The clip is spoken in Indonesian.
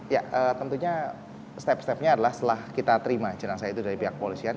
ya tentunya step stepnya adalah setelah kita terima jenazah itu dari pihak polisian